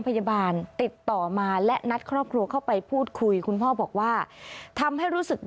พาพนักงานสอบสวนสนราชบุรณะพาพนักงานสอบสวนสนราชบุรณะ